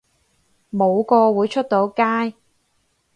冇個會出到街